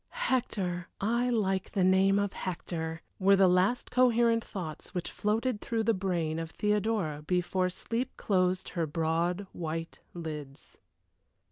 "Hector! I like the name of Hector," were the last coherent thoughts which floated through the brain of Theodora before sleep closed her broad, white lids.